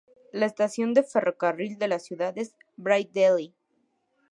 La estación de ferrocarril de la ciudad es Bray Daly.